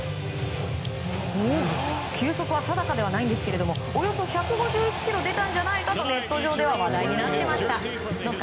球速は定かではないんですけれどもおよそ１５１キロ出たんじゃないかとネット上では話題になっていました。